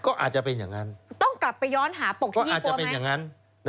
ก็อาจจะเป็นอย่างนั่น